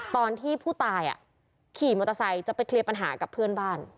ตอนที่ผู้ตายขี่มอเตอร์ไซค์จะไปเคลียร์ปัญหากับเพื่อนบ้าน